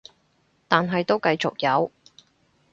但係都繼續有